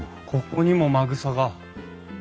ここにもまぐさが。